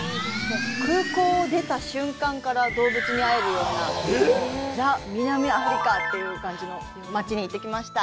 空港を出た瞬間から動物に会えるようなザ・、南アフリカという感じの街に行ってきました。